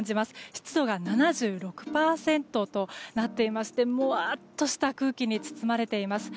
湿度が７６％となっていましてもわっとした空気に包まれています。